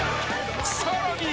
［さらに］